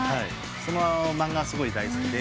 その漫画がすごい大好きで。